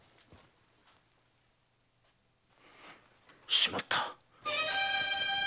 しまった！